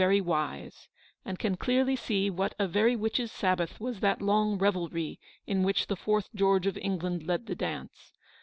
41 very wise, and can clearly see what a very witches' sabbath was that long revelry in which the fourth George of England led the dance.